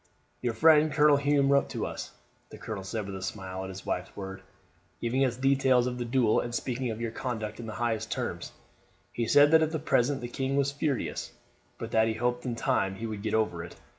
"Your friend Colonel Hume wrote to us," the colonel said with a smile at his wife's word, "giving us details of the duel, and speaking of your conduct in the highest terms. He said that at present the king was furious; but that he hoped in time he would get over it.